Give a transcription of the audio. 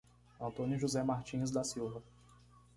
Antônio José Martins da Silva